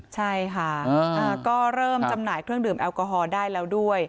ใช่ค่ะก็เริ่มจำหน่ายเครื่องดื่มแอลกอฮอล์ได้แล้วด้วย